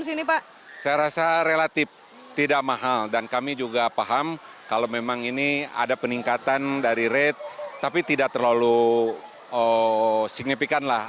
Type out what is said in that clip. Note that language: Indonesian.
sini pak saya rasa relatif tidak mahal dan kami juga paham kalau memang ini ada peningkatan dari rate tapi tidak terlalu signifikan lah